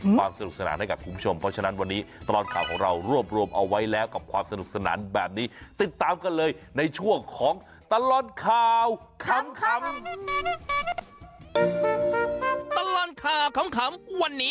ความสนุกสนานให้กับคุณผู้ชม